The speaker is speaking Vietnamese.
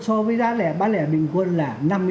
so với giá bán lẻ bình quân là năm mươi bảy